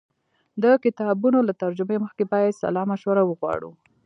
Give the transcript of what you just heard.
د کتابونو له ترجمې مخکې باید سلا مشوره وغواړو.